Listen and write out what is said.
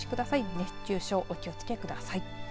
熱中症、お気をつけください。